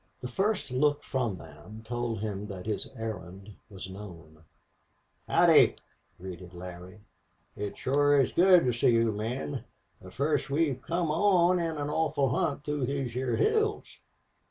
The first look from them told him that his errand was known. "Howdy!" greeted Larry. "It shore is good to see you men the fust we've come on in an awful hunt through these heah hills."